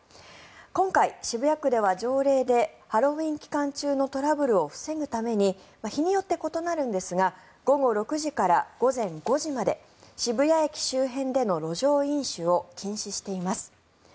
今回、渋谷区では条例でハロウィーン期間中のトラブルを防ぐために日によって異なるんですが午後６時から午前５時まで渋谷駅周辺での路上飲酒を禁止しています。